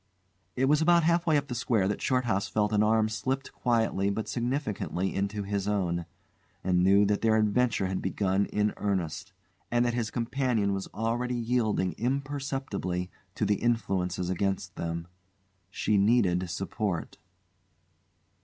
It was about half way up the square that Shorthouse felt an arm slipped quietly but significantly into his own, and knew then that their adventure had begun in earnest, and that his companion was already yielding imperceptibly to the influences against them. She needed support.